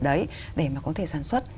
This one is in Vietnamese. đấy để mà có thể sản xuất